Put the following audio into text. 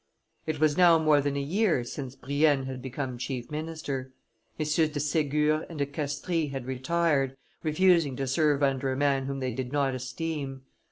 It was now more than a year since Brienne had become chief minister. MM. de Segur and de Castries had retired, refusing to serve under a man whom they did not esteem.